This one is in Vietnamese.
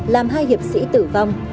làm hai hiệp sĩ tử vong